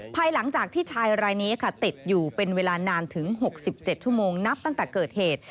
ภายหลังจากที่ชายรายนี้ค่ะติดอยู่เป็นเวลานานถึง๖๗ชั่วโมงนับตั้งแต่เกิดเหตุ